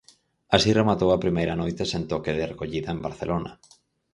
Así rematou a primeira noite sen toque de recollida en Barcelona.